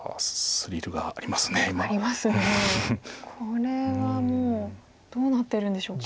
これはもうどうなってるんでしょうか。